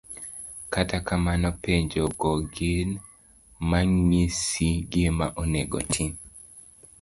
kata kamano, penjo go gin mang'isi gima onego itim.